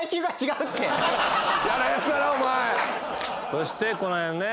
そしてこの辺ね。